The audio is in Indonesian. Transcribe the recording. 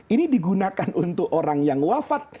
ini digunakan untuk orang yang wafat